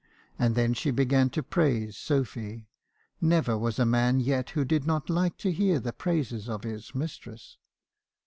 And then she began to praise Sophy. Never was a man yet who did not like to hear the praises of his mistress.